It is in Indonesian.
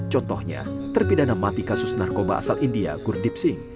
contohnya terpidana mati kasus narkoba asal india gur dip singh